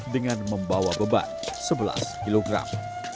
dengan membawa beban sebelas kilogram